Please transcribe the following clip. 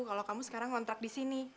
kalau kamu sekarang ngontrak di sini